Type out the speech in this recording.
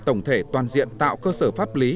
tổng thể toàn diện tạo cơ sở pháp lý